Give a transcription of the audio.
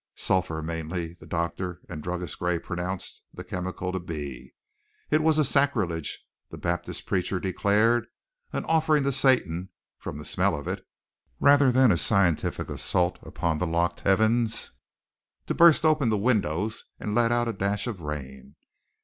Sulphur, mainly, the doctor and Druggist Gray pronounced the chemical to be. It was a sacrilege, the Baptist preacher declared, an offering to Satan, from the smell of it, rather than a scientific assault upon the locked heavens to burst open the windows and let out a dash of rain.